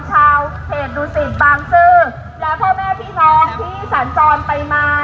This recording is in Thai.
ชาวเกรดนุสิธร์บางซึ้งและพ่อแม่พี่น้องที่สะไปมา